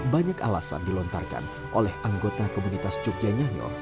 banyak alasan dilontarkan oleh anggota komunitas jogja nyanyo